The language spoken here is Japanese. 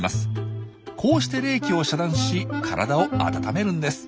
こうして冷気を遮断し体を温めるんです。